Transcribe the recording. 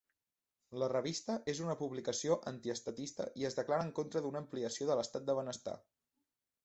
La revista és una publicació antiestatista i es declara en contra d'una ampliació de l'estat de benestar.